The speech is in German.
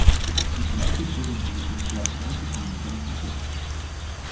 Begleitet wurde diese Konzertreise von den Cancer Bats.